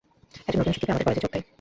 একজন নতুন শিক্ষিকা আমাদের কলেজে যোগ দেয়।